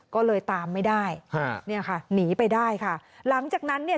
ก็เลยตามไม่ได้ฮะเนี่ยค่ะหนีไปได้ค่ะหลังจากนั้นเนี่ย